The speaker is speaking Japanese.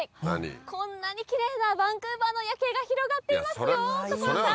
こんなにキレイなバンクーバーの夜景が広がっていますよ所さん。